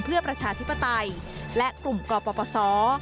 เพื่อประชาธิปไตยและกลุ่มกปศ